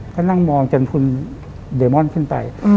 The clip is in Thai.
ก็นั่งมองจนคุณเดมอนขึ้นไป